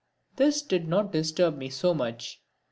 This did not disturb me so much.